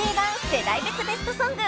世代別ベストソング』］